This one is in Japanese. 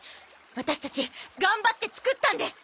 ワタシたち頑張って作ったんです！